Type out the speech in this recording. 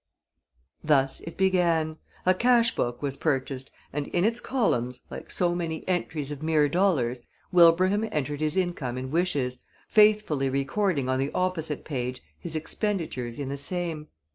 Thus it began. A cash book was purchased and in its columns, like so many entries of mere dollars, Wilbraham entered his income in wishes, faithfully recording on the opposite page his expenditures in the same.